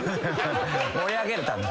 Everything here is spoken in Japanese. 盛り上げるため。